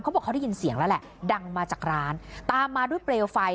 บอกเขาได้ยินเสียงแล้วแหละดังมาจากร้านตามมาด้วยเปลวไฟ